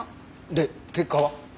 で結果は？